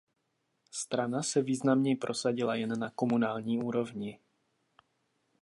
Strana se významněji prosadila jen na komunální úrovni.